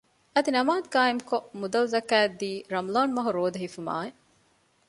އަދި ނަމާދު ޤާއިމުކޮށް މުދަލު ޒަކާތް ދީ ރަމަޟާން މަހު ރޯދަ ހިފުުމާއި